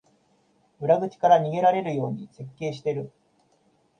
裏口から逃げられるように設計してる